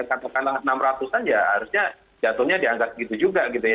katakanlah enam ratus an ya harusnya jatuhnya dianggap begitu juga gitu ya